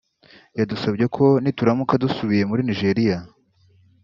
yadusabye ko nituramuka dusubiye muri Nigeria